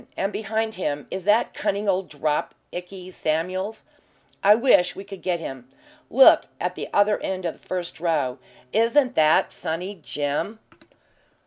And behind him is that cunning old 'drop' Ikey Samuels I wish we could get him. Look at the other end of the first row. Isn't that 'Sunny Jim'? I hardly knew him.